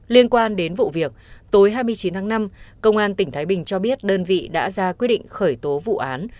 liên quan đến vụ việc tối hai mươi chín tháng năm công an tỉnh thái bình cho biết đơn vị đã ra quyết định khởi tố vụ án